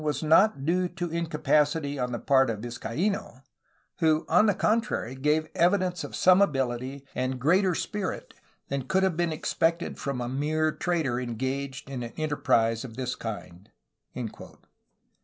. was not due to incapacity on the part of Vizcaino, who on the contrary gave evidence of some ability and greater spirit than could have been expected from a mere trader engaged in an enterprise of this kind."